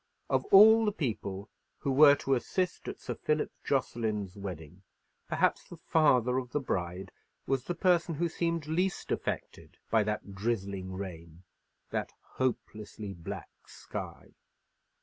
Of all the people who were to assist at Sir Philip Jocelyn's wedding, perhaps the father of the bride was the person who seemed least affected by that drizzling rain, that hopelessly black sky.